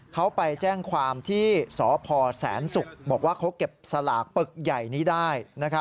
เขาไปแจ้งความที่สพแสนศุกร์บอกว่าเขาเก็บสลากปึกใหญ่นี้ได้